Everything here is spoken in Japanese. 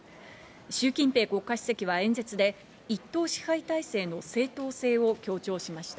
シュウ・キンペイ国家主席は演説で一党支配体制の正当性を強調しました。